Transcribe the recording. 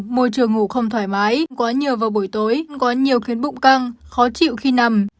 môi trường ngủ không thoải mái quá nhiều vào buổi tối có nhiều khiến bụng căng khó chịu khi nằm